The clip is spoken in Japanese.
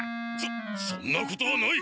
そそんなことはない！